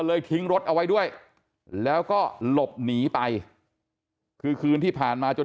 ทิ้งรถเอาไว้ด้วยแล้วก็หลบหนีไปคือคืนที่ผ่านมาจน